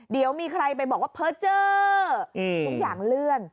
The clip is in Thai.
เดี๋ยวมีใครไปบอกว่าเพอร์เจอร์ทุกอย่างเลื่อน